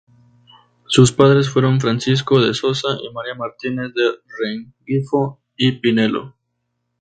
Sus padres fueron Francisco de Sosa y María Martínez de Rengifo y Pinelo.